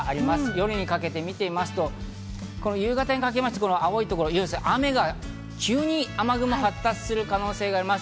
夜にかけて見てみますと、夕方にかけて青いところ、雨が、急に雨雲が発達するところがあります。